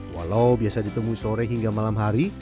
walau biasa ditemui sore hingga malam hari